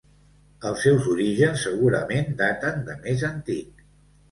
Els seus orígens segurament daten de més antic.